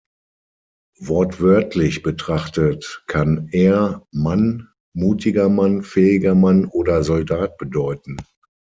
Wortwörtlich betrachtet kann „Er“ "Mann", "mutiger Mann", "fähiger Mann" oder "Soldat" bedeuten.